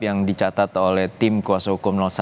yang dicatat oleh tim kuasa hukum satu